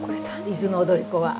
「伊豆の踊子」は。